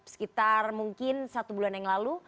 sekitar mungkin satu bulan yang lalu